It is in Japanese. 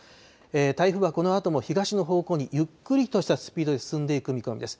台風はこのあとも東の方向にゆっくりとしたスピードで進んでいく見込みです。